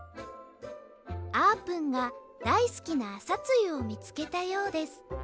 あーぷんがだいすきなあさつゆをみつけたようです。